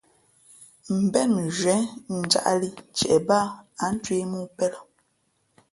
Mbén mʉnzhwē njāʼlī ntie bāā ǎ ncwēh mōō pēn lά.